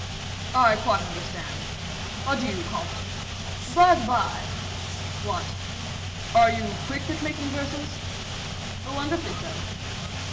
"I quite understand. Adieu! comte. By the by " "What?" "Are you quick at making verses?" "Wonderfully so."